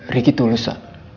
riki tuh lusa